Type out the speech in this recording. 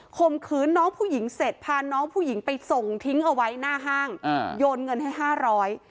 ข่มขืนน้องผู้หญิงเสร็จพาน้องผู้หญิงไปส่งทิ้งเอาไว้หน้าห้างอ่าโยนเงินให้ห้าร้อย